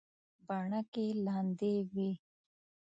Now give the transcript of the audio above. بڼکې لندې وې.